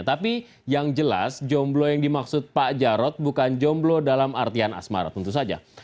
tapi yang jelas jomblo yang dimaksud pak jarod bukan jomblo dalam artian asmara tentu saja